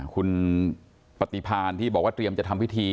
คุณปฏิพานที่บอกว่าเตรียมจะทำพิธี